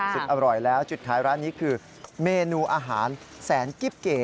สุดอร่อยแล้วจุดขายร้านนี้คือเมนูอาหารแสนกิ๊บเก๋